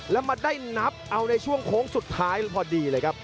แล้วมาได้นับเอาในช่วงโค้งสุดท้ายพอดีเลยครับ